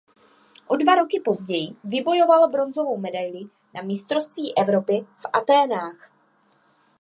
O dva roky později vybojoval bronzovou medaili na mistrovství Evropy v Athénách.